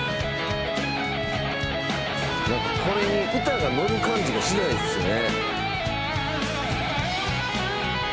「なんかこれに歌が乗る感じがしないですよね」